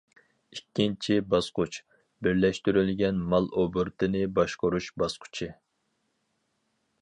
ئىككىنچى باسقۇچ: بىرلەشتۈرۈلگەن مال ئوبوروتىنى باشقۇرۇش باسقۇچى.